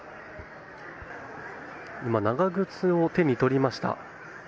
今、長靴を手に取りました。